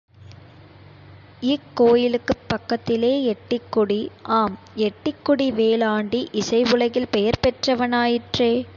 இக் கோயிலுக்குப் பக்கத்திலே எட்டிக்குடி.. ஆம், எட்டிக் குடி வேலாண்டி இசை உலகில் பெயர் பெற்றவனாயிற்றே.